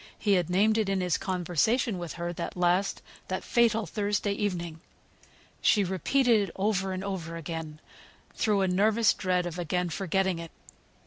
He had named it in his conversation with her that last, that fatal Thursday evening. She repeated it over and over again, through a nervous dread of again forgetting it.